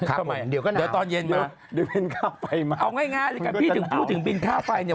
ครับผมเดี๋ยวก็หนาวเดี๋ยวเบนฆ่าไฟมากมันก็จะหนาวเอาง่ายดีกว่าพี่ถึงพูดถึงเบนฆ่าไฟ